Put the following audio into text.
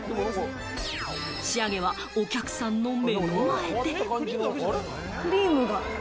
仕上げはお客さんの目の前で。